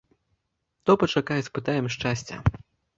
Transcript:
То пачакай, спытаем шчасця!